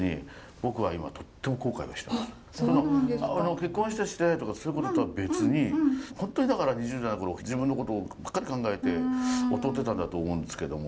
結婚したいとかそういうこととは別に本当にだから２０代の頃自分のことばっかり考えて劣ってたんだと思うんですけども。